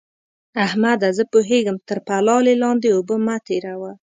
احمده! زه پوهېږم؛ تر پلالې لاندې اوبه مه تېروه.